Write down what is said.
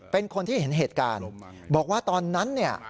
เป็นคนที่เห็นเหตุการณ์บอกว่าตอนนั้นเนี่ย